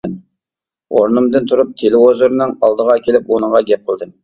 ئورنۇمدىن تۇرۇپ تېلېۋىزورنىڭ ئالدىغا كېلىپ ئۇنىڭغا گەپ قىلدىم.